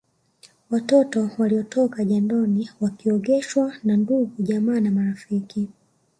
Watoto waliotoka jandoni wakiogeshwa na ndugujamaa na marafiki